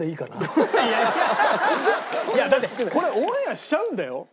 だってこれオンエアしちゃうんだよ？